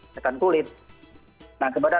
seakan kulit nah kepada